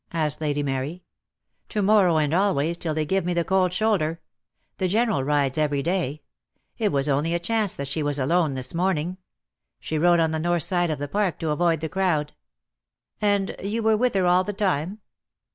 asked Lady Mary. "To morrow, and always, till they give me the cold shoulder. The General rides every day. It was only a chance that she was alone this morning. She rode on the north side of the Park to avoid the crowd." "And you were with her all the time?"